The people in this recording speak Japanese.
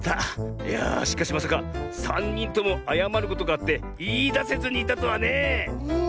いやしかしまさかさんにんともあやまることがあっていいだせずにいたとはね。うん。